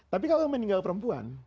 tapi kalau meninggal perempuan